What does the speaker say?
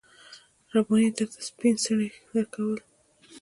رباني درته سپين څڼې درکول.